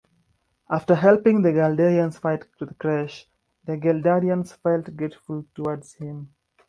After helping the Geldarians fight the Kresh, the Geldarians felt grateful towards him.